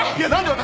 私。